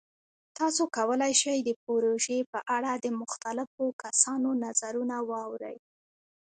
تاسو کولی شئ د پروژې په اړه د مختلفو کسانو نظرونه واورئ.